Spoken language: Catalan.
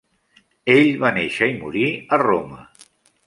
Ell va néixer i morir a Roma.